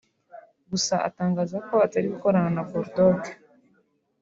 gusa atangaza ko atari gukorana na Bull Dogg